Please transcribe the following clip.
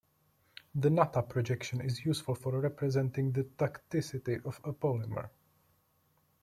The Natta projection is useful for representing the tacticity of a polymer.